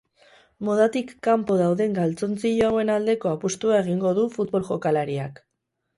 Modatik kanpo dauden galtzontzilo hauen aldeko apustua egingo du futbol jokalariak.